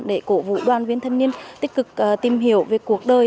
để cổ vũ đoàn viên thanh niên tích cực tìm hiểu về cuộc đời